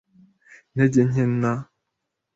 intege nke, na